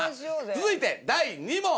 続いて第２問。